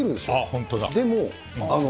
本当だ。